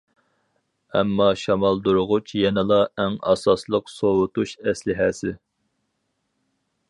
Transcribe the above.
ئەمما شامالدۇرغۇچ يەنىلا ئەڭ ئاساسلىق سوۋۇتۇش ئەسلىھەسى.